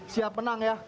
siap menang ya